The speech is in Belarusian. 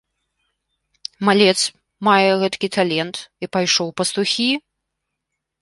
Малец мае гэткі талент і пайшоў у пастухі!